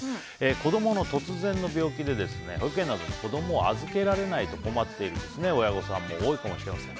子供の突然の病気で保育園などに子供を預けられないなど困っている親も多いかもしれません。